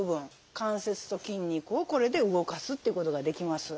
関節と筋肉をこれで動かすっていうことができます。